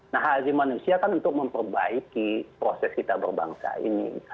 nah haji manusia kan untuk memperbaiki proses kita berbangsa ini